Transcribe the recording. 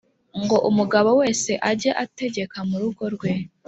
ngo umugabo wese ajye ategeka mu rugo rwe